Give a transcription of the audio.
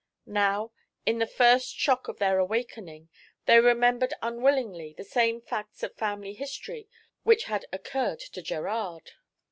Now, in the first shock of their awakening, they remembered unwillingly the same facts of family history which had occurred to Gerard.